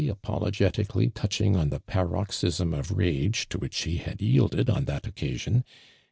apologeti cally touching on the paroxysm of i age to which he had yielded on that occasion.